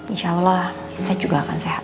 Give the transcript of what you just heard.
insya allah saya juga akan sehat